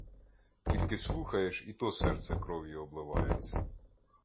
Тільки слухаєш, і то серце кров'ю обливається!